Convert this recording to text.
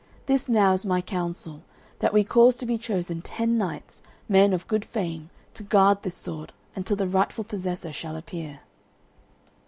This now is my counsel, that we cause to be chosen ten knights, men of good fame, to guard this sword until the rightful possessor shall appear."